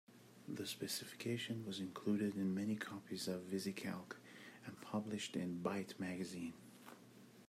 The specification was included in many copies of VisiCalc, and published in Byte Magazine.